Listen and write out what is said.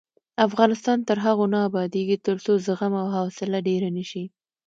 افغانستان تر هغو نه ابادیږي، ترڅو زغم او حوصله ډیره نشي.